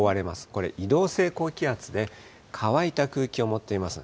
これ移動性高気圧で、乾いた空気を持っています。